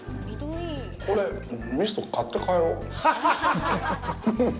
これ、味噌、買って帰ろう。